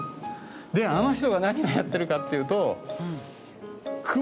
であの人が何をやってるかっていうと。